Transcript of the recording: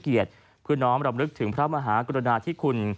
เดียวพื้น้องเรามนึกถึงพระมหากรณาทิคุล